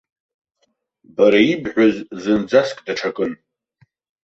Бара ибҳәаз зынӡаск даҽакын.